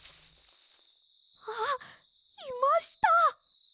あっいました！